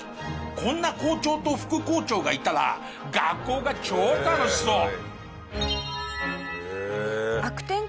こんな校長と副校長がいたら学校が超楽しそう！